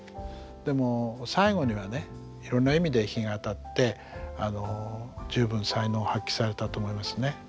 でも最後にはねいろんな意味で日が当たって十分才能を発揮されたと思いますね。